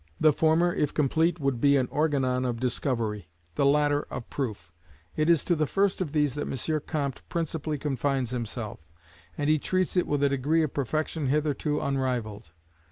The former if complete would be an Organon of Discovery, the latter of Proof. It is to the first of these that M. Comte principally confines himself, and he treats it with a degree of perfection hitherto unrivalled.